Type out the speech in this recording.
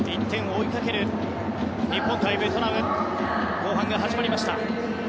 １点を追いかける日本対ベトナム後半が始まりました。